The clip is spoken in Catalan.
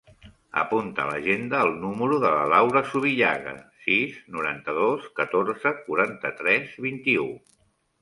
Apunta a l'agenda el número de la Laura Zubillaga: sis, noranta-dos, catorze, quaranta-tres, vint-i-u.